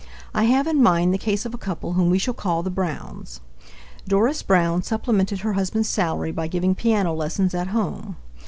I have in mind the case of a couple whom we shall call the Browns. Doris Brown supplemented her husband's salary by giving piano lessons at home.